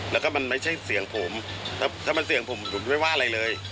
แล้วก็มันไม่ใช่เสียงผมถ้ามันเสียงผมผมจะไม่ว่าอะไรเลย